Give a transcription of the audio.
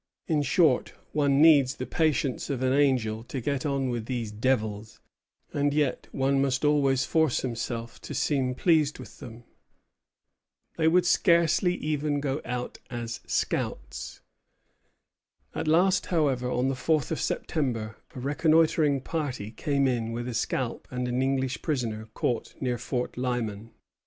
In short, one needs the patience of an angel to get on with these devils; and yet one must always force himself to seem pleased with them." Dieskau à Vaudreuil, 1 Sept. 1755. They would scarcely even go out as scouts. At last, however, on the fourth of September, a reconnoitring party came in with a scalp and an English prisoner caught near Fort Lyman.